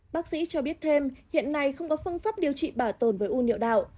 bác sĩ cho biết thêm hiện nay không có phương pháp điều trị bảo tồn với u nhựa đạo